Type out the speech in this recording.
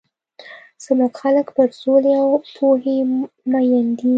زموږ خلک پر سولي او پوهي مۀين دي.